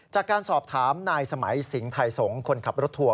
จากการสอบถามนายสมัยสิงห์ไทยสงศ์คนขับรถทัวร์